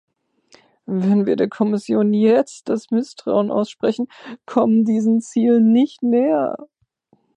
Wenn wir der Kommission jetzt das Misstrauen aussprechen, kommen diesen Zielen nicht näher.